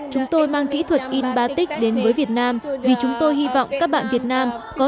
chúng tôi mang kỹ thuật in batic đến với việt nam vì chúng tôi hy vọng các bạn việt nam có